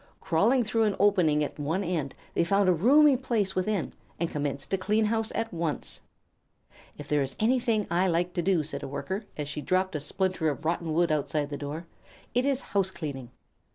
Crawling through an opening at one end, they found a roomy place within, and commenced to clean house at once. "If there is anything I do like," said a Worker, as she dropped a splinter of rotten wood outside the door, "it is house cleaning."